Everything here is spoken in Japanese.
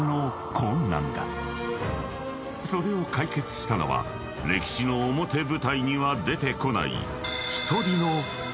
［それを解決したのは歴史の表舞台には出てこない］